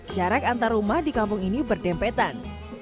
jarak antar rumah di kampung ini berdempetan